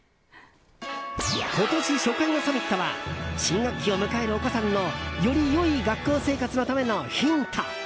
今年初回のサミットは新学期を迎えるお子さんのより良い学校生活のためのヒント。